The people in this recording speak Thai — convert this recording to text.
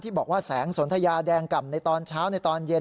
บอกว่าแสงสนทยาแดงกล่ำในตอนเช้าในตอนเย็น